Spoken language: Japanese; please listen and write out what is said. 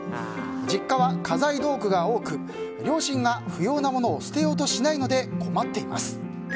実家は家財道具が多く両親が不要な物を捨てようとしないので困っています。